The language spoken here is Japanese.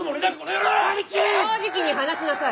正直に話しなさい！